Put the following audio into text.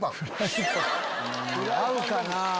合うかなぁ。